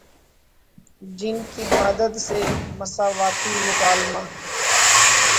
جن کی مدد سے مساواتی مکالمہ